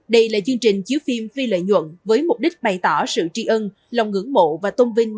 đây là chương trình chiếu phim phi lợi nhuận với mục đích bày tỏ sự tri ân lòng ngưỡng mộ và tôn vinh